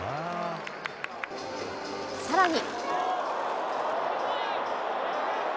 さらに。